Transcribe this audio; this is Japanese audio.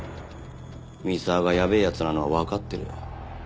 三沢がやべえ奴なのはわかってる。